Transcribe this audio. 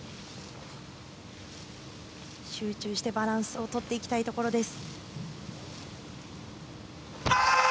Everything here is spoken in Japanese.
集中してバランスをとっていきたいところです。